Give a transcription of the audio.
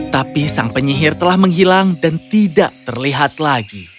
tapi sang penyihir telah menghilang dan tidak terlihat lagi